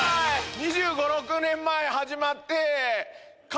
２５２６年前始まって。